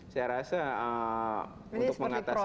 saya rasa untuk mengatasi